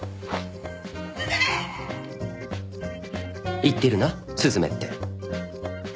言ってるな「雀」って。